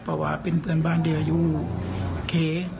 เพราะว่าเป็นเพื่อนบ้านเดียวอยู่เค